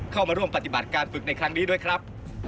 เข้ามาร่วมปฏิบัติการฝึกในครั้งนี้ด้วยครับ